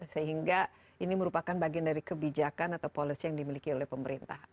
sehingga ini merupakan bagian dari kebijakan atau policy yang dimiliki oleh pemerintah